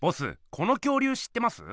この恐竜知ってます？